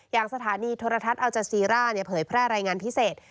อย่างสถานีโทรทัศน์อัลจาซีร่าเผยแพร่รายงานพิเศษ